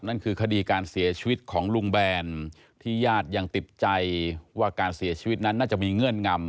นั่นคือคดีการเสียชีวิตของลุงแบนที่ญาติยังติดใจว่าการเสียชีวิตนั้นน่าจะมีเงื่อนงำ